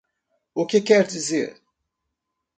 O que quer dizer